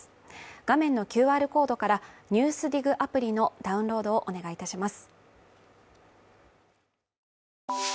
画面のＱＲコードから「ＮＥＷＳＤＩＧ」アプリのダウンロードをお願いいたします。